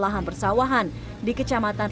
lahan bersawahan di kecamatan